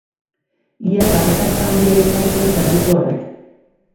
Iaz arrakasta handia izan zuen zerbitzu horrek.